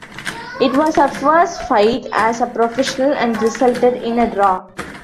It was her first fight as a professional and resulted in a draw.